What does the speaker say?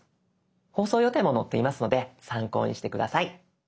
放送予定も載っていますので参考にして下さい。